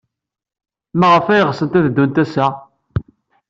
Maɣef ay ɣsent ad ddunt ass-a?